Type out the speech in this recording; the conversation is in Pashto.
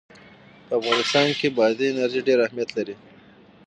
په افغانستان کې بادي انرژي ډېر اهمیت لري.